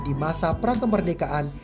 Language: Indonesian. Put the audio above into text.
di masa prakemerdekaan